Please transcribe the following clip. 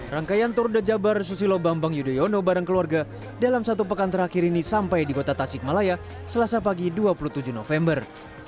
rangkaian tour de jabar susilo bambang yudhoyono bareng keluarga dalam satu pekan terakhir ini sampai di kota tasikmalaya selasa pagi dua puluh tujuh november